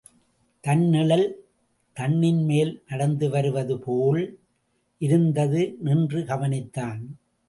தன் நிழல் தண்ணின் மேல் நடந்து வருவதுபோல் இருந்தது நின்று கவனித்தான்.